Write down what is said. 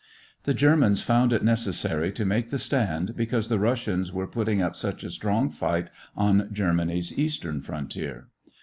The Germans found it necessary to make the stand because the Russians were putting up such a strong fight on Germany's eastern frontier.